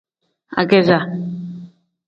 Ageeza.